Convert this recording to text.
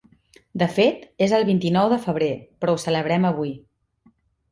De fet, és el vint-i-nou de febrer, però ho celebrem avui.